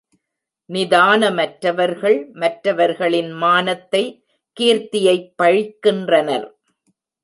நிதானமற்றவர்கள், மற்றவர்களின் மானத்தை, கீர்த்தியைப் பழிக்கின்றனர்.